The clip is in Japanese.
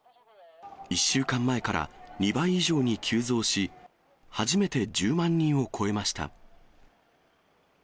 １週間前から２倍以上に急増し、初めて１０万人を超えました。